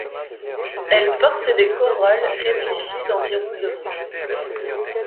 Elles portent des corolles réfléchies d'environ de long.